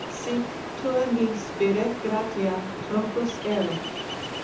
Sic tua ni spiret gratia, truncus ero.